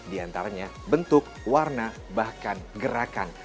di antaranya bentuk warna bahkan gerakan